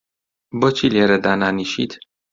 بۆچی لێرە دانانیشیت؟